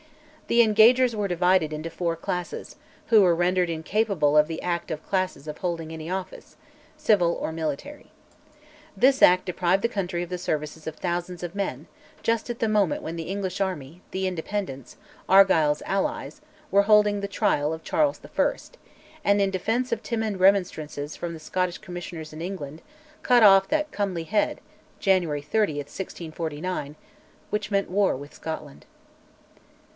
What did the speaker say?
The Engagers were divided into four "Classes," who were rendered incapable by "The Act of Classes" of holding any office, civil or military. This Act deprived the country of the services of thousands of men, just at the moment when the English army, the Independents, Argyll's allies, were holding the Trial of Charles I.; and, in defiance of timid remonstrances from the Scottish Commissioners in England, cut off "that comely head" (January 30, 1649), which meant war with Scotland.